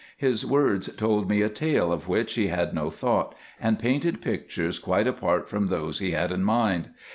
His words told me a tale of which he had no thought, and painted pictures quite apart from those he had in mind.